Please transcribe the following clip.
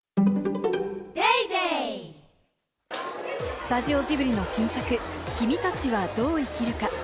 スタジオジブリの新作『君たちはどう生きるか』。